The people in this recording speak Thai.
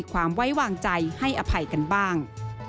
ความไว้วางใจให้อภัยกันบ้าง